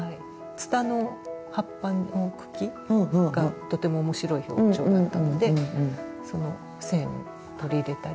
つたの葉っぱの茎がとても面白い表情だったのでその線を取り入れたり。